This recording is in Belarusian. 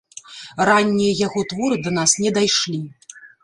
Раннія яго творы да нас не дайшлі.